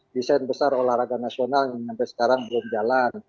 desain besar olahraga nasional yang sampai sekarang belum jalan